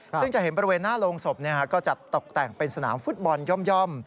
ซึ่งจะเห็นบริเวณหน้าโรงศพก็จะตกแต่งเป็นสนามฟุตบอลย่อม